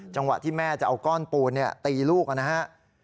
จังหวะที่แม่จะเอาก้อนปูนตีลูกนะฮะ